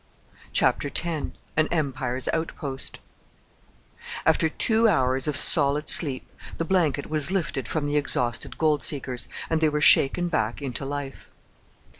CHAPTER X AN EMPIRE'S OUTPOST After two hours of solid sleep, the blanket was lifted from the exhausted gold seekers, and they were shaken back into life.